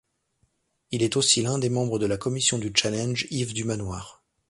Il est aussi l’un des membres de la commission du Challenge Yves du Manoir.